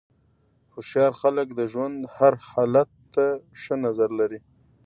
هوښیار خلک د ژوند هر حالت ته ښه نظر لري.